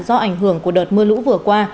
do ảnh hưởng của đợt mưa lũ vừa qua